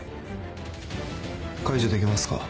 解除できますか？